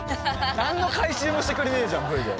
何の監修もしてくれねえじゃんＶで。